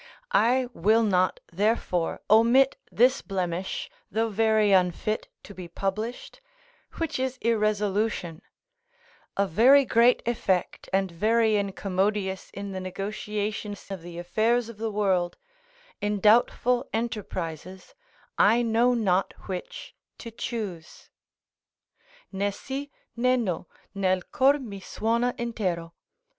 I will not, therefore, omit this blemish though very unfit to be published, which is irresolution; a very great effect and very incommodious in the negotiations of the affairs of the world; in doubtful enterprises, I know not which to choose: "Ne si, ne no, nel cor mi suona intero."